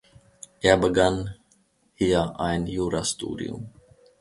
Er begann hier ein Jurastudium.